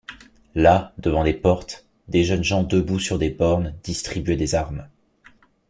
Là, devant les portes, des jeunes gens debout sur des bornes distribuaient des armes.